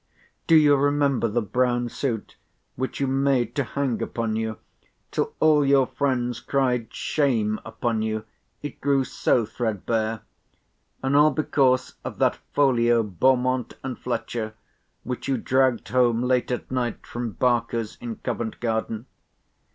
"Do you remember the brown suit, which you made to hang upon you, till all your friends cried shame upon you, it grew so thread bare—and all because of that folio Beaumont and Fletcher, which you dragged home late at night from Barker's in Covent garden?